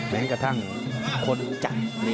แม้กระทั่งคนจันทร์